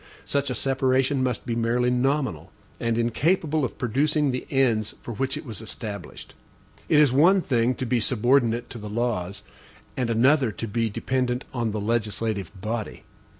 Such a separation must be merely nominal, and incapable of producing the ends for which it was established. It is one thing to be subordinate to the laws, and another to be dependent on the legislative body.